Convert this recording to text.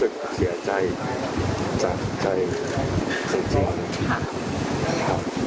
เกิดจากใจจนจริงค่ะ